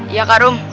iya kak ruf